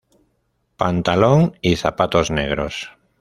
Pantalón y zapatos negros.